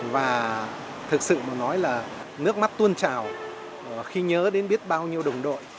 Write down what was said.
và thực sự mà nói là nước mắt tuôn trào khi nhớ đến biết bao nhiêu đồng đội